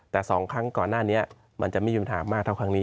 แต่๒ครั้งก่อนหน้านี้มันจะไม่มีปัญหามากเท่าครั้งนี้